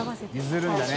譲るんだね。